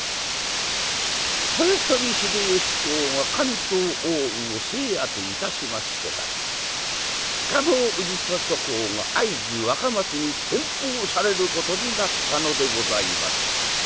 豊臣秀吉公が関東・奥羽を制圧いたしましてから蒲生氏郷公が会津若松に転封されることになったのでございます。